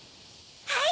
はい。